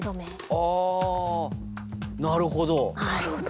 ああなるほど。